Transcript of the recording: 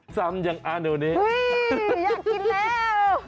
ซ้ำอย่างอาโนเนสอยากกินแล้ว